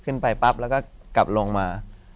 ขึ้นไปปั๊บแล้วก็กลับลงมา